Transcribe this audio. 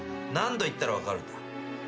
何度言ったら分かるんだ。